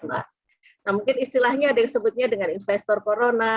nah mungkin istilahnya ada yang sebutnya dengan investor corona